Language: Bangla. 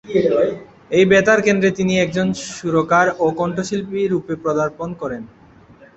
এই বেতার কেন্দ্রে তিনি একজন সুরকার ও কণ্ঠশিল্পী রুপে পদার্পণ করেন।